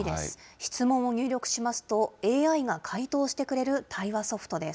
質問を入力しますと、ＡＩが回答してくれる対話ソフトです。